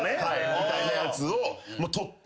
みたいなやつを取って。